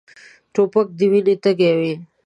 توپک د وینې تږی وي.